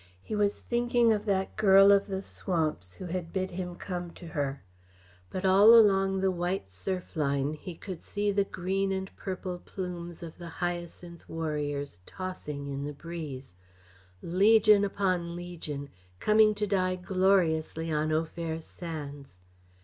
He was thinking of that girl of the swamps who had bid him come to her. But all along the white surf line he could see the green and purple plumes of the hyacinth warriors tossing in the breeze legion upon legion, coming to die gloriously on Au Fer's sands.